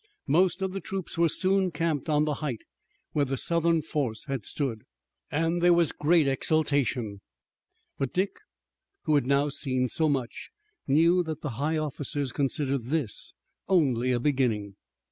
Most of the troops were soon camped on the height, where the Southern force had stood, and there was great exultation, but Dick, who had now seen so much, knew that the high officers considered this only a beginning.